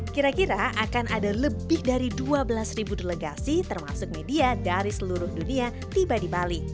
kira kira akan ada lebih dari dua belas delegasi termasuk media dari seluruh dunia tiba di bali